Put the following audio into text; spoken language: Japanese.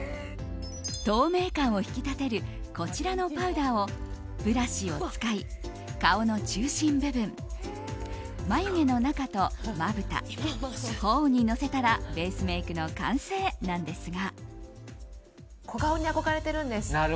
透明感を引き立てるこちらのパウダーをブラシを使い顔の中心部分、眉毛の中とまぶた頬にのせたらベースメイクの完成なんですが。